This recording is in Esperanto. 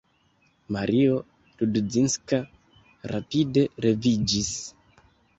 Mario Rudzinska rapide leviĝis.